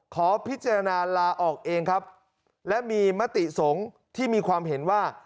ขอพิจารณาลาออกเองครับและมีมติสงฆ์ที่มีความเห็นว่า